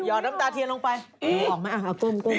ยอดน้ำตาเทียนลงไป